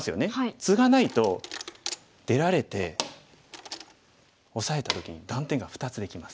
ツガないと出られてオサえた時に断点が２つできます。